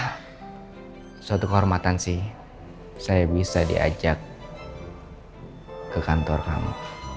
ya suatu kehormatan sih saya bisa diajak ke kantor kamu